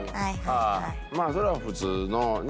まあそれは普通の願望ですね。